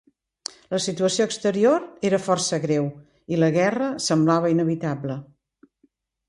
La situació exterior era força greu, i la guerra semblava inevitable.